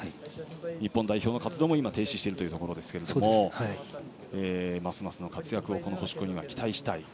日本代表の活動も今、停止していますがますますの活躍を星子には期待したい。